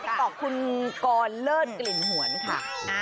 จะต่อคุณคอยเลิศกลิ่นห่วนค่ะ